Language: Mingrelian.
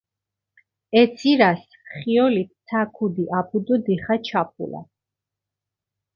ე ცირასჷ ხიოლით ცა ქუდი აფუ დო დიხა ჩაფულა.